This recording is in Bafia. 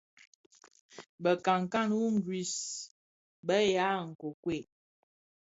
Bi nkankan wu ngris dhi be ya nkuekuel.